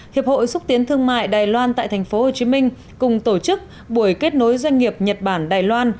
hiệp hội xúc tiến thương mại đài loan tại tp hcm cùng tổ chức buổi kết nối doanh nghiệp nhật bản đài loan